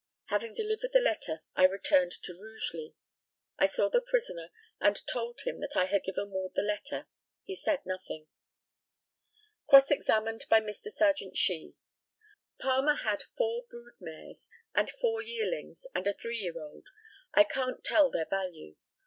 Having delivered the letter, I returned to Rugeley. I saw the prisoner, and told him that I had given Ward the letter. He said nothing. Cross examined by Mr. Serjeant SHEE: Palmer had four brood mares, and four yearlings and a three year old. I can't tell their value.